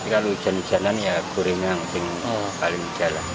kalau jajanan ya gorengan paling jelas